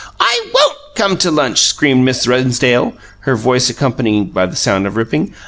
"I WON'T go home to lunch!" screamed Miss Rennsdale, her voice accompanied by a sound of ripping.